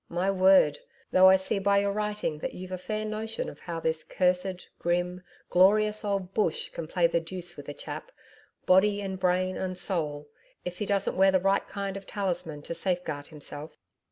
My word! Though I see by your writing that you've a fair notion of how this cursed, grim, glorious old Bush can play the deuce with a chap body and brain and soul if he doesn't wear the right kind of talisman to safeguard himself.'